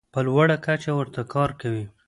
په لوړه کچه ورته کار کوي.